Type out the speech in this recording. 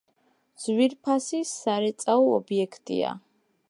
ძვირფასი სარეწაო ობიექტია.